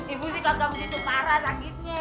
ibu sih kagak begitu parah sakitnya